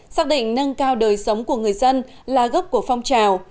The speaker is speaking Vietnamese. xác định nâng cao đời sống của người dân là gốc của phong trào